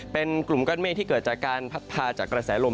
เป็นกลุ่มก้อนเมฆที่เกิดจากการพัดพาจากกระแสลม